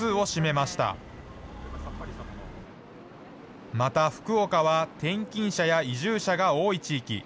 また福岡は転勤者や移住者が多い地域。